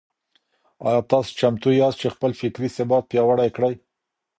آيا تاسو چمتو ياست چي خپل فکري ثبات پياوړی کړئ؟